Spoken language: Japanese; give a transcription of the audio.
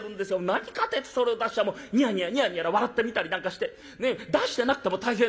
何かてえとそれを出しゃもうニヤニヤニヤニヤ笑ってみたりなんかして出してなくても大変なんですよ。